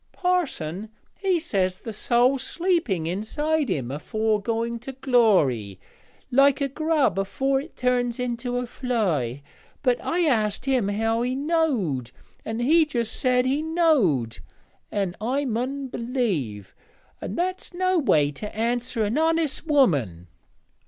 Parson he says the soäl's sleeping inside him afore going to glory, like a grub afore it turns into a fly; but I asked him how he knowed, and he just said he knowed, an' I mun b'lieve, and that's no way to answer an honest woman.'